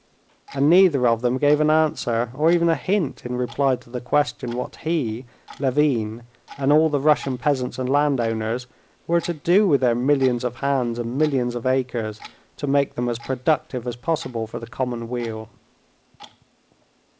And neither of them gave an answer, or even a hint, in reply to the question what he, Levin, and all the Russian peasants and landowners, were to do with their millions of hands and millions of acres, to make them as productive as possible for the common weal.